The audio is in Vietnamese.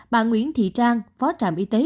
bà nguyễn thị trang phó trạm y tế